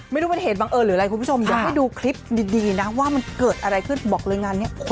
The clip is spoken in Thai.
ไม่รู้เป็นเหตุบังเอิญหรืออะไรคุณผู้ชมอยากให้ดูคลิปดีนะว่ามันเกิดอะไรขึ้นบอกเลยงานนี้